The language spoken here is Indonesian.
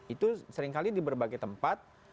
itu sering kali di berbagai tempat